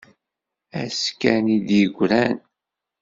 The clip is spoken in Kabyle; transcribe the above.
Ass kan i d-yegran.